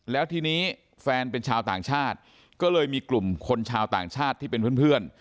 แล้วทีนี้แฟนเป็นชาวต่างชาติก็เลยมีกลุ่มคนชาวต่างชาติที่เป็นเพื่อน